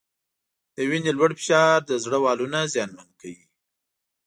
د وینې لوړ فشار د زړه والونه زیانمن کوي.